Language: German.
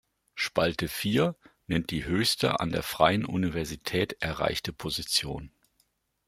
Spalte vier nennt die höchste an der Freien Universität erreichte Position.